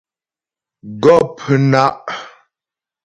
Gɔ̂pnaʼ.